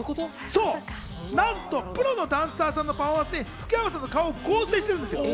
なんと、プロのダンサーさんのパフォーマンスに福山さんの顔を合成してるんですよ。